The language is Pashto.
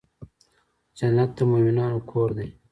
جنت د مومنانو کور دی.